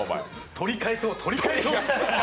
取り返そう、取り返そうと。